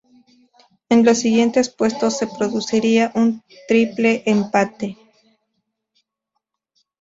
En los siguientes puestos se produciría un triple empate.